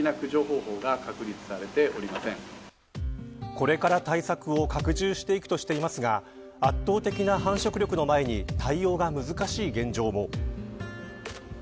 これから対策を拡充していくとしていますが圧倒的な繁殖力の前に対応が難しい現状も。